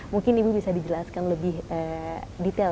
mungkin ibu bisa dijelaskan lebih detail